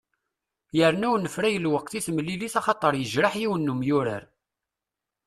Yerna unefray lweqt i temlilit axaṭer yejreḥ yiwen n umyurar.